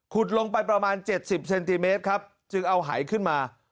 ลงไปประมาณ๗๐เซนติเมตรครับจึงเอาหายขึ้นมา